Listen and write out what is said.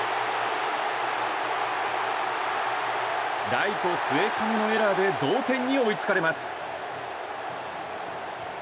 ライト末包のエラーで同点に追いつかれます。